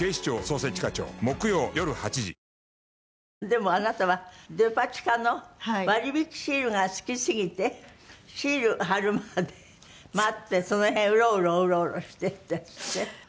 でもあなたはデパ地下の割引シールが好きすぎてシール貼るまで待ってその辺うろうろうろうろしてるんですって？